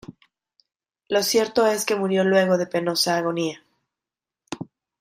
Lo cierto es que murió luego de penosa agonía.